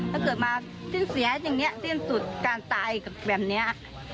ถ้าเกิดมาสิ้นเสียอย่างนี้สิ้นสุดการตายแบบนี้